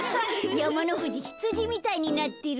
やまのふじひつじみたいになってる。